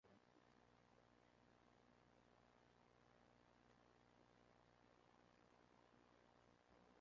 En ella Vedder canta acerca de cómo es cercado por insectos.